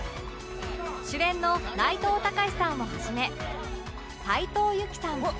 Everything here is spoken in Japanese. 主演の内藤剛志さんをはじめ斉藤由貴さん